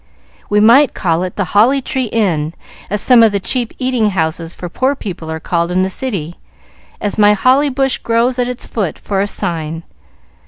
"We might call it 'The Holly Tree Inn,' as some of the cheap eating houses for poor people are called in the city, as my holly bush grows at its foot for a sign.